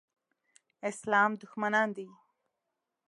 اسلام دښمنان دي.